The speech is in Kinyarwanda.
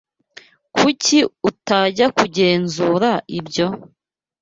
Kuki utajya kugenzura ibyo?